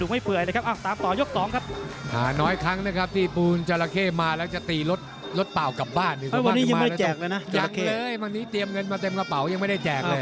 วันนี้เตรียมเงินมาเต็มกระเป๋ายังไม่ได้แจกเลย